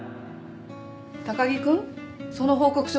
高木君その報告書